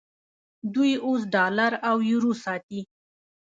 دوی اوس ډالر او یورو ساتي.